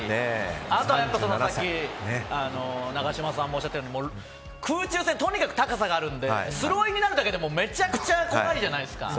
あと永島さんもおっしゃったように空中戦、とにかく高さがあるのでスローインになるだけでもめちゃくちゃ怖いじゃないですか。